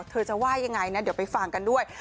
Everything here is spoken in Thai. เธอจะว่ายังไงนะเดี๋ยวไปฟังกันด้วย